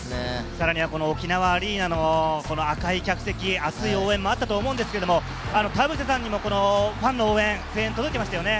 さらには沖縄アリーナの赤い客席、熱い応援もあったと思うんですけれども、田臥さんにもファンの応援、声援、届いていましたよね。